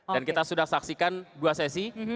dan kita sudah saksikan dua sesi